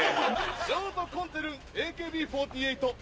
ショートコンツェルン「ＡＫＢ４８」。